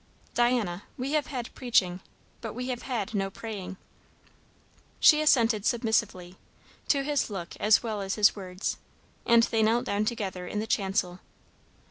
"Diana we have had preaching, but we have had no praying." She assented submissively, to his look as well as his words, and they knelt down together in the chancel.